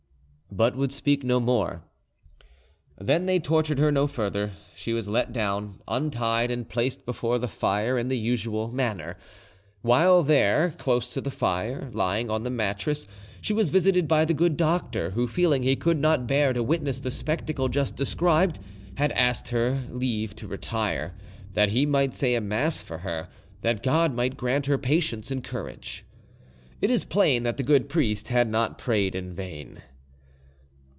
but would speak no more." Then they tortured her no further: she was let down, untied, and placed before the fire in the usual manner. While there, close to the fire, lying on the mattress, she was visited by the good doctor, who, feeling he could not bear to witness the spectacle just described, had asked her leave to retire, that he might say a mass for her, that God might grant her patience and courage. It is plain that the good priest had not prayed in vain.